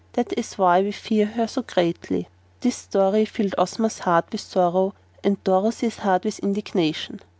That is why we fear her so greatly." This story filled Ozma's heart with sorrow and Dorothy's heart with indignation.